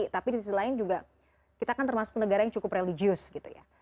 tapi di sisi lain juga kita kan termasuk negara yang cukup religius gitu ya